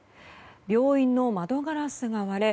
病院の窓ガラスが割れ